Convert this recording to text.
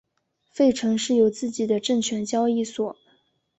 费城市有自己的证券交易所。